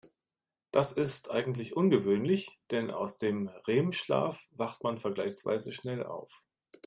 Das ist eigentlich ungewöhnlich, denn aus dem REM-Schlaf wacht man vergleichsweise schnell auf.